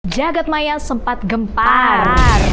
jagat maya sempat gempar